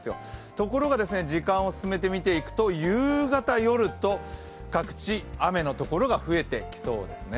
ところが時間を進めて見ていくと、夕方、夜と各地雨の所が増えてきそうですね。